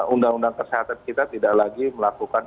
undang undang kesehatan kita tidak lagi melakukan